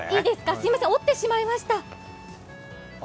すみません、折ってしまいました。